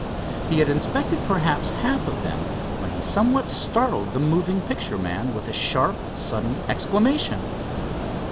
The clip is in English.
He had inspected perhaps one half of them, when he somewhat startled the moving picture man with a sharp sudden exclamation.